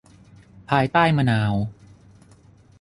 ภายใต้มะนาว